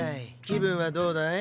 気分はどうだい。